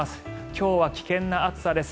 今日は危険な暑さです。